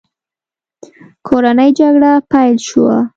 کورنۍ جګړه پیل شوه.